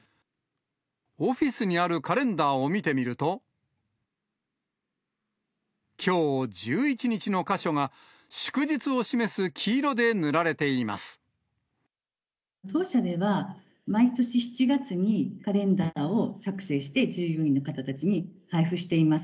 オフィスにあるカレンダーを見てみると、きょう１１日の箇所が、当社では、毎年７月にカレンダーを作製して、従業員の方たちに配布しています。